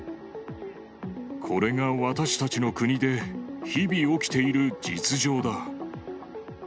これが私たちの国で日々起きている実情だ。